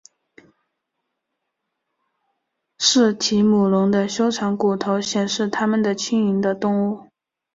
似提姆龙的修长骨头显示它们的轻盈的动物。